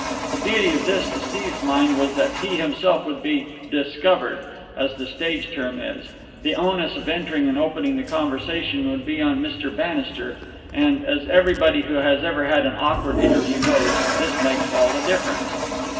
The beauty of this, to Steve's mind, was that he himself would be "discovered," as the stage term is; the onus of entering and opening the conversation would be on Mr. Bannister. And, as everybody who has ever had an awkward interview knows, this makes all the difference.